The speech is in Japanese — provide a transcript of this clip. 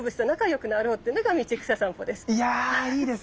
でいやいいです。